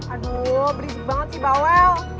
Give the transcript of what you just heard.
aduh beridik banget sih bawel